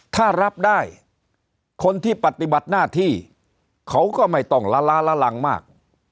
ถ้ารับได้คนที่ปฏิบัติหน้าที่เขาก็ไม่ต้องละล้าละลังมาก